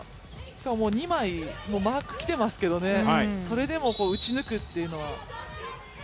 しかも二枚マークきてますけどね、それでも打ち抜くというのは。